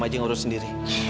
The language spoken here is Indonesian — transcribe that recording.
kamu aja yang urut sendiri